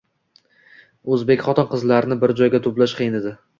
O’zbek xotin-qizlarini bir joyga to‘plash qiyin edi.